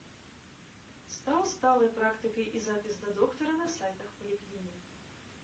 Стаў сталай практыкай і запіс да доктара на сайтах паліклінік.